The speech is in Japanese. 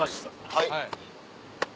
はい。